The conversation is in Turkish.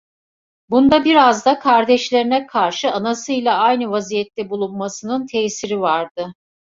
Bunda, biraz da, kardeşlerine karşı anasıyla aynı vaziyette bulunmasının tesiri vardı.